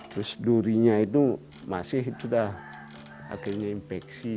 terus durinya itu masih itu dah akhirnya infeksi dia